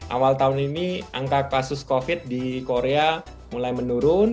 awal tahun ini angka kasus covid di korea mulai menurun